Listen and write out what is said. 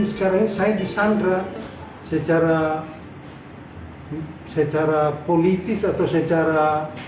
sekarang ini saya disandra secara politis atau secara